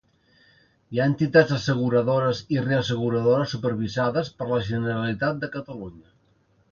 Hi ha entitats asseguradores i reasseguradores supervisades per la Generalitat de Catalunya.